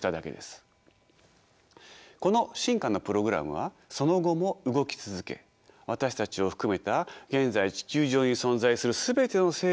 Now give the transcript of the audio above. この進化のプログラムはその後も動き続け私たちを含めた現在地球上に存在する全ての生物を生み出しました。